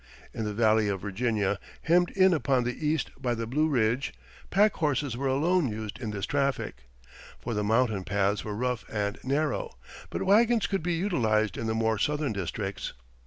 In the Valley of Virginia, hemmed in upon the east by the Blue Ridge, packhorses were alone used in this traffic, for the mountain paths were rough and narrow; but wagons could be utilized in the more southern districts.